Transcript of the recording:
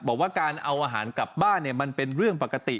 บอกว่าการเอาอาหารกลับบ้านมันเป็นเรื่องปกติ